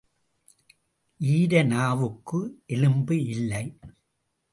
ஈர நாவுக்கு எலும்பு இல்லை.